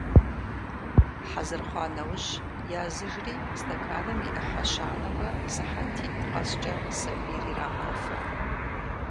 Хьэзыр хъуа нэужь языжри, стэканым и ӏыхьэ щанэурэ сыхьэтитӏ къэскӏэ сабийр ирагъафэ.